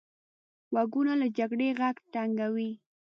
غوږونه له جګړې غږ تنګ دي